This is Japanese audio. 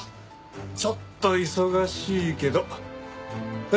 ちょっと忙しいけど何？